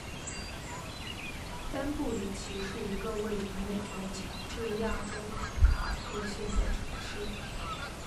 班布里奇是一个位于美国乔治亚州迪卡特县的城市。